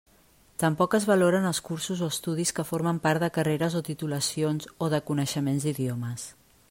Tampoc es valoren els cursos o estudis que formen part de carreres o titulacions o de coneixements d'idiomes.